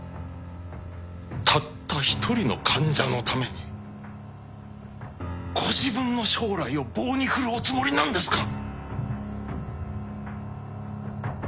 たった一人の患者のためにご自分の将来を棒に振るおつもりなんですか？